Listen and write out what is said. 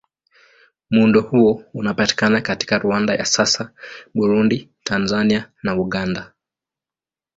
Muundo huo unapatikana katika Rwanda ya sasa, Burundi, Tanzania na Uganda.